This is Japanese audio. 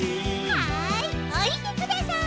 はいおりてください。